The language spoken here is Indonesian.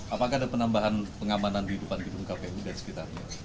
apakah ada penambahan pengamanan di depan gedung kpu dan sekitarnya